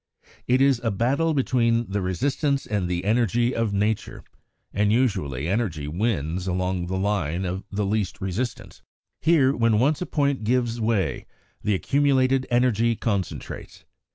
It is a battle between the resistance and the energy of nature, and usually energy wins along the line of the least resistance. Here, when once a point gives way, the accumulated energy concentrates.